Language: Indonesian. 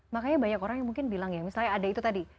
makanya banyak orang yang mungkin bilang ya misalnya ada itu tadi